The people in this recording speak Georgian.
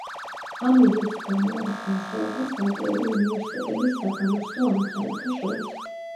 ამ მიზეზის გამო არის განსხვავება ცალკეული უნივერსიტეტების საგამოცდო ამოცანათა შორის.